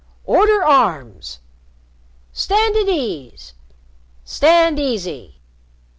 "Order arms! "Stand at ease! "Stand easy!"